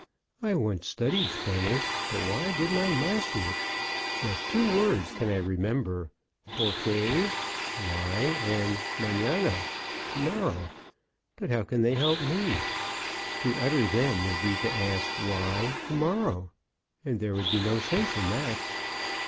"I once studied Spanish, but why didn't I master it! Just two words can I remember: "porque" why, and "manana" to morrow. But how can they help me? To utter them would be to ask, why to morrow? And there would be no sense in that."